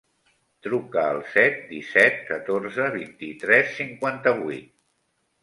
Truca al set, disset, catorze, vint-i-tres, cinquanta-vuit.